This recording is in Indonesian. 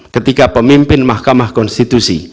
ketika pemimpin mahkamah konstitusi